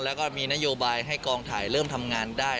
แล้วก็มีนโยบายให้กองถ่ายเริ่มทำงานได้